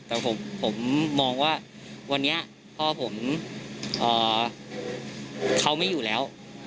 แต่ผมมองว่าวันนี้พ่อผมเขาไม่อยู่แล้ว